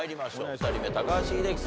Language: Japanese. ２人目高橋英樹さん